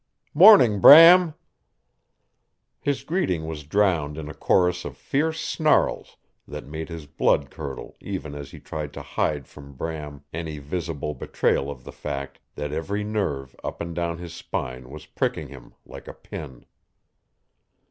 "Morning, Bram!" His greeting was drowned in a chorus of fierce snarls that made his blood curdle even as he tried to hide from Bram any visible betrayal of the fact that every nerve up and down his spine was pricking him, like a pin.